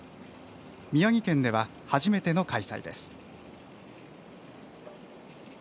宮城県では初めての開催です。